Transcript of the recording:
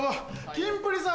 キンプリさん。